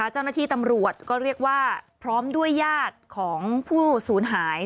เจ้าหน้าที่ตำรวจก็เรียกว่าพร้อมด้วยญาติของผู้สูญหาย